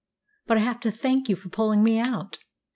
But I have to thank you for pulling me out.